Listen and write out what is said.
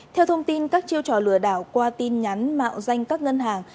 theo thông tin các chiêu trò lừa đảo qua tin nhắn mạo danh các ngân hàng